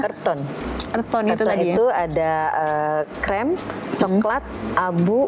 kata itu ada krem coklat abu